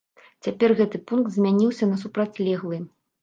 Цяпер гэты пункт змяніўся на супрацьлеглы.